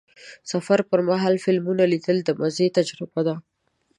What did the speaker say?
د سفر پر مهال فلمونه لیدل د مزې تجربه ده.